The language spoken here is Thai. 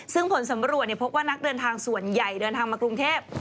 ซึ่งผลสำรวจพบว่านักเดินทางส่วนใหญ่เดินทางมากรุงเทพ